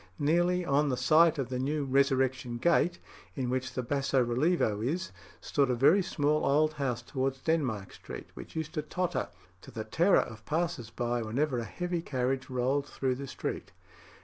Nearly on the site of the new "Resurrection Gate," in which the basso relievo is, stood a very small old house towards Denmark Street, which used to totter, to the terror of passers by, whenever a heavy carriage rolled through the street."